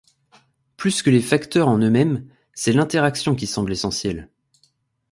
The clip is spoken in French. Plus que les facteurs en eux-mêmes, c'est l'interaction qui semble essentielle.